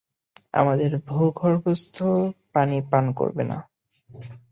আমাদের ভূগর্ভস্থ পানি পান করবে না।